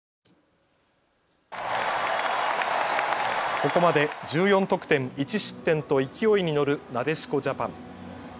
ここまで１４得点、１失点と勢いに乗るなでしこジャパン。